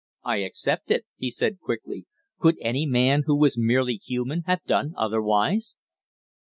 "I accepted," he said, quickly. "Could any man who was merely human have done otherwise?"